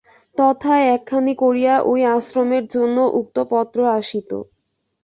তথায় একখানি করিয়া ঐ আশ্রমের জন্য উক্ত পত্র আসিত।